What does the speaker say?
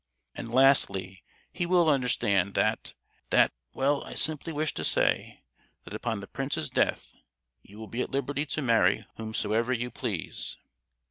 "And lastly, he will understand that—that,—well I simply wish to say, that, upon the prince's death, you will be at liberty to marry whomsoever you please."